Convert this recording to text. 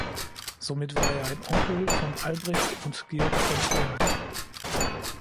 Somit war er ein Onkel von Albrecht und Georg von Thaer.